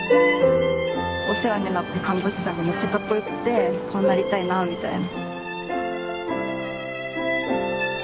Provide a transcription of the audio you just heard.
お世話になった看護師さんがメッチャかっこよくてこうなりたいなみたいな。